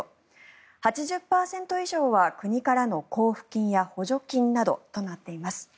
８０％以上は国からの交付金や補助金などとなっています。